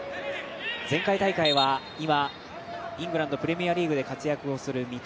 前回大会は、今イングランドプレミアリーグで活躍する三笘